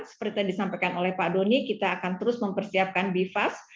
seperti yang disampaikan oleh pak doni kita akan terus mempersiapkan bifas